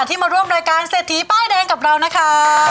ที่มาร่วมรายการเศรษฐีป้ายแดงกับเรานะคะ